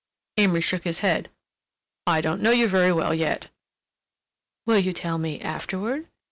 Amory shook his head. "I don't know you very well yet." "Will you tell me—afterward?"